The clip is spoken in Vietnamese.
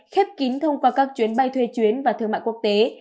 khép kín thông qua các chuyến bay thuê chuyến và thương mại quốc tế